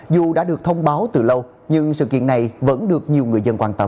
dù đã được thông báo từ lâu nhưng sự kiện này vẫn được nhiều người dân quan tâm